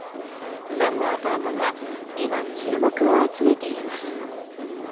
そんなアパートが今、注目を集めています。